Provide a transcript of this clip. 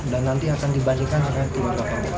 jadi akan dibalikan dengan tim berpengguna